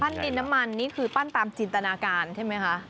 ดินน้ำมันนี่คือปั้นตามจินตนาการใช่ไหมคะ